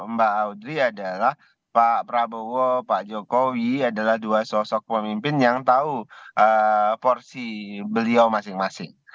mbak audrey adalah pak prabowo pak jokowi adalah dua sosok pemimpin yang tahu porsi beliau masing masing